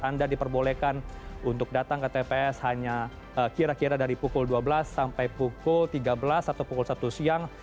anda diperbolehkan untuk datang ke tps hanya kira kira dari pukul dua belas sampai pukul tiga belas atau pukul satu siang